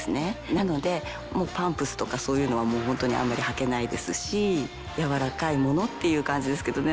なのでパンプスとかそういうのはホントにあんまり履けないですし柔らかいものっていう感じですけどね。